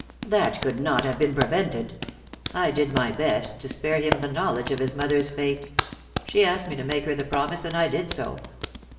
"That could not have been prevented. I did my best to spare him the knowledge of his mother's fate. She asked me to make her the promise, and I did so.